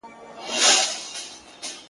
زه له بېرنګۍ سره سوځېږم ته به نه ژاړې،